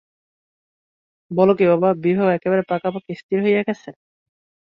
বল কী বাবা, বিবাহ একেবারে পাকাপাকি স্থির হইয়া গেছে?